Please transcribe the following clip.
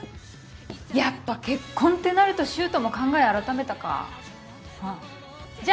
やっぱ結婚ってなると柊人も考え改めたかじゃあ